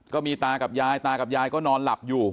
ตากับยายตากับยายก็นอนหลับอยู่